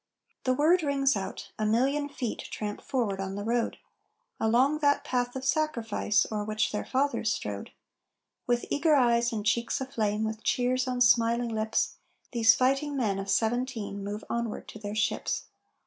The word rings out; a million feet tramp forward on the road, Along that path of sacrifice o'er which their fathers strode. With eager eyes and cheeks aflame, with cheers on smiling lips, These fighting men of '17 move onward to their ships.